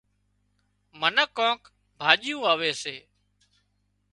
منک ڪانڪ ڀاڄيون واوي سي